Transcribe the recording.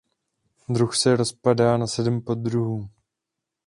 Druh se rozpadá na sedm poddruhů.